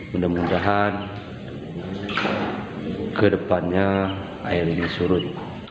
mudah mudahan ke depannya air ini surut